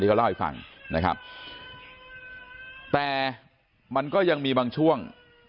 เขาเล่าให้ฟังนะครับแต่มันก็ยังมีบางช่วง